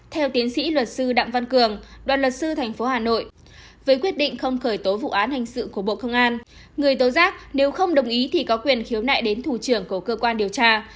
theo tiến sĩ luật sư đặng văn cường đoàn luật sư tp hà nội với quyết định không khởi tố vụ án hình sự của bộ công an người tố giác nếu không đồng ý thì có quyền khiếu nại đến thủ trưởng của cơ quan điều tra